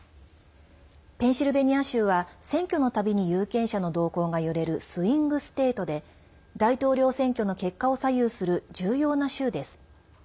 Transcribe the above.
ペンシルベニア州は選挙のたびに有権者の動向が揺れるスイング・ステートで大統領選挙の結果を左右する重要な州です。